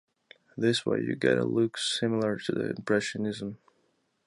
This way you get a look similar to the impressionism.